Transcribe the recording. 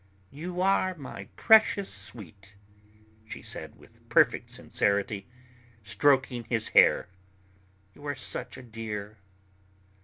"You are my precious sweet," she said with perfect sincerity, stroking his hair. "You are such a dear."